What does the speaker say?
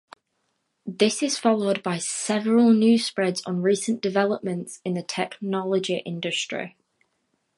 This is followed by several news spreads on recent developments in the technology industry.